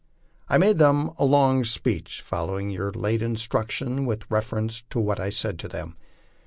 I made them a long speech, following your late instructions with reference to what I said to them.